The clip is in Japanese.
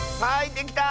できた！